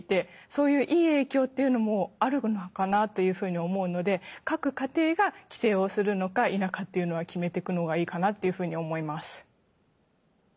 そういういい影響っていうのもあるのかなというふうに思うので各家庭が規制をするのか否かっていうのは決めてくのがいいかなっていうふうに思います。